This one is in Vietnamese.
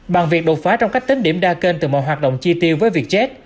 bằng việc đột phá trong cách tính điểm đa kênh từ mọi hoạt động chi tiêu với vietjet